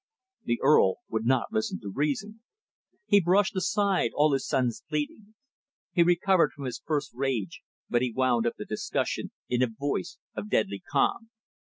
The Earl would not listen to reason. He brushed aside all his son's pleadings. He recovered from his first rage, but he wound up the discussion in a voice of deadly calm.